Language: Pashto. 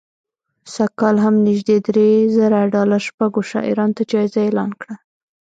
سږ کال یې هم نژدې درې زره ډالره شپږو شاعرانو ته جایزه اعلان کړه